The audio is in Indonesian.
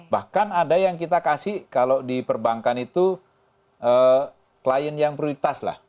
bahkan ada yang kita kasih kalau di perbankan itu klien yang prioritas lah